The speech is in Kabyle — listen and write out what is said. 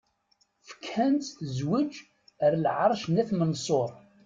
Fkan-tt tezwzǧ ar Lɛerc n At Menṣuṛ.